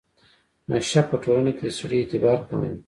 نشه په ټولنه کې د سړي اعتبار کموي.